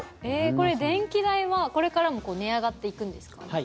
これ、電気代はこれからも値上がっていくんですか？